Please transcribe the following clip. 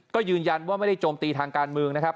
ก็ยืนยันว่าไม่ได้โจมตีทางการเมืองนะครับ